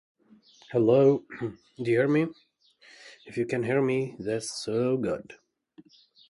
Traces of ancient Roman dwellings can be seen in the area.